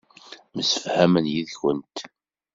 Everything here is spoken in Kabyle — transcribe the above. Msefhamen yid-kent.